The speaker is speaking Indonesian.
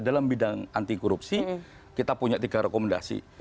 dalam bidang anti korupsi kita punya tiga rekomendasi